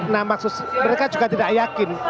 nah maksud mereka juga tidak yakin